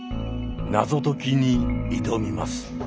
謎解きに挑みます。